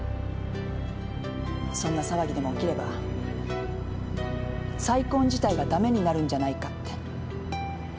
そんな騒ぎでも起きれば再婚自体がダメになるんじゃないかって。